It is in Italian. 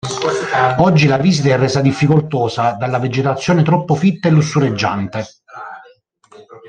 Oggi la visita è resa difficoltosa dalla vegetazione troppo fitta e lussureggiante.